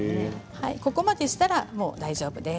ここまでしたら、もう大丈夫です。